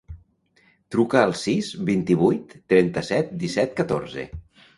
Truca al sis, vint-i-vuit, trenta-set, disset, catorze.